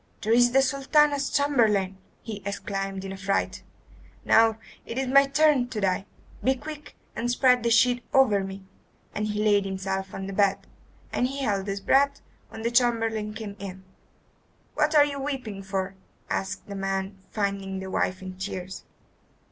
"There is the Sultana's chamberlain," he exclaimed in a fright. "Now it is my turn to die. Be quick and spread the sheet over me." And he laid himself on the bed, and held his breath when the chamberlain came in. "What are you weeping for?" asked the man, finding the wife in tears.